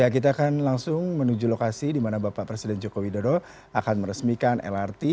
kita akan langsung menuju lokasi dimana bapak presiden joko widodo akan meresmikan lrt pada hari ini